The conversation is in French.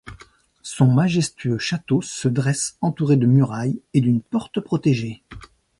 Son majestueux château se dresse entouré de murailles et d'une porte protégée.